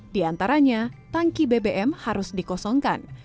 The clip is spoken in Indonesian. di antaranya tangki bbm harus dikosongkan